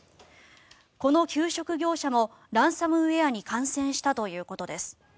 この給食業者もランサムウェアに感染したということです。